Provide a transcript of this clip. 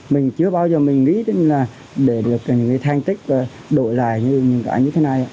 mình chưa bao giờ mình nghĩ đến là để được những người than tích đội lại như thế này